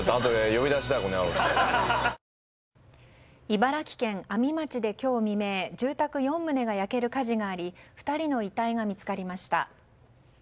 茨城県阿見町で今日未明住宅４棟が焼ける火事があり２人の遺体が見つかりました。